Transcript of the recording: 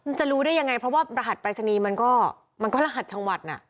จะรู้ได้ยังไงเพราะว่ารหัสปรายศนีย์มันก็มันก็รหัสจังหวัดน่ะ